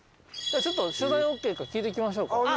ちょっと取材オーケーか聞いてきましょうか。